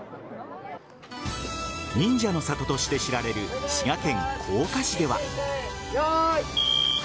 忍者の里として知られる滋賀県甲賀市では。